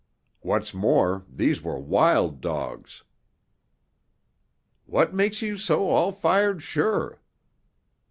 What's more, these were wild dogs." "What makes you so all fired sure?"